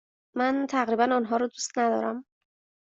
من تقریبا آنها را دوست ندارم.